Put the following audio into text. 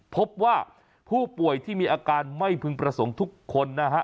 พบว่าผู้ป่วยที่มีอาการไม่พึงประสงค์ทุกคนนะฮะ